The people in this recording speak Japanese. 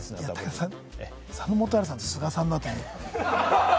佐野元春さんと菅さんの後に？